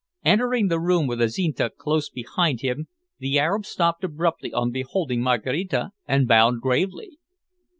Entering the room, with Azinte close behind him, the Arab stopped abruptly on beholding Maraquita, and bowed gravely.